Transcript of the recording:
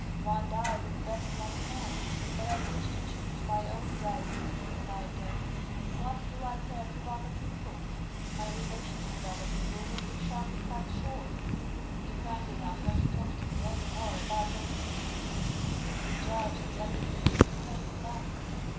One dies as best one can : but I wish to chose my own way of thinking about death. What do I care for other people ? My relations with other people will be sharply cut short. Be kind enough not to talk to me any more about those people. Seeing the judge and the advocate is more than enough."